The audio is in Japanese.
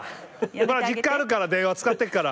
まだ実家あるから電話使ってっから。